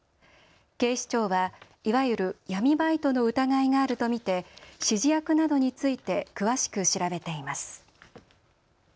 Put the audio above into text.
警視庁はいわゆる闇バイトの疑いがあると見て指示役などについて詳しく調べています。